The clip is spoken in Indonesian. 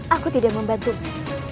aku tidak membantunya